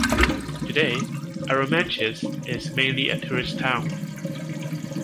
Today, Arromanches is mainly a tourist town.